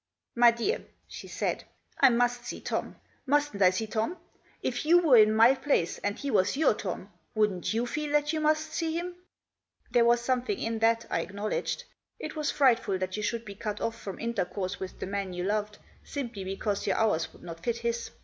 " My dear," she said, " I must see Tom. Mustn't I see Tom ? If you were in my place, and he was your Tom, wouldn't you feel that you must see him ?" There was something in that I acknowledged. It was frightful that you should be cut off from inter course with the man you loved simply because your hours would not fit his.